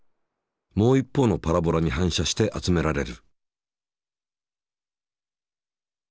もう一方のパラボラに反射して集められる。